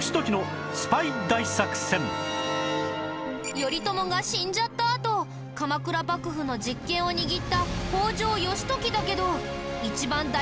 頼朝が死んじゃったあと鎌倉幕府の実権を握った北条義時だけど。